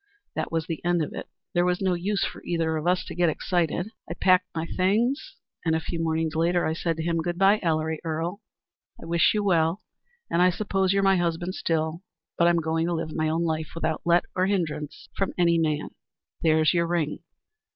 That was the end of it. There was no use for either of us to get excited. I packed my things, and a few mornings later I said to him, 'Good by, Ellery Earle: I wish you well, and I suppose you're my husband still, but I'm going to live my own life without let or hindrance from any man. There's your ring.'